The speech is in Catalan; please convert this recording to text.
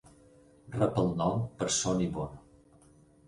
Rep el nom per Sonny Bono.